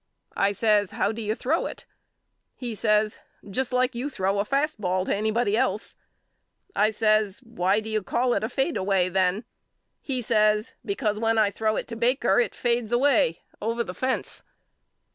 I says How do you throw it? He says Just like you throw a fast ball to anybody else. I says Why do you call it a fadeaway then? He says Be cause when I throw it to Baker it fades away over the fence.